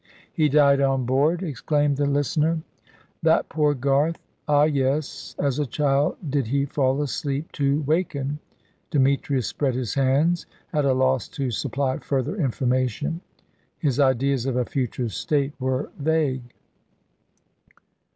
"He died on board," exclaimed the listener. "That poor Garth ah yes; as a child did he fall asleep, to waken " Demetrius spread his hands, at a loss to supply further information. His ideas of a future state were vague.